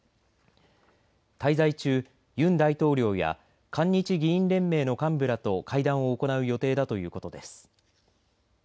滞在中、ユン大統領や韓日議員連盟の幹部らと会談を行う予定だということです。